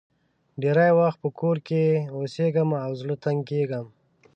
ډېری وخت په کور کې اوسېږم او زړه تنګ کېږم.